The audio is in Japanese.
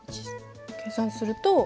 計算すると。